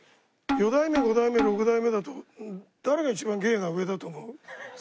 四代目五代目六代目だと誰が一番芸が上だと思う？